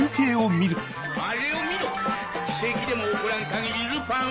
あれを見ろ奇跡でも起こらん限りルパンは。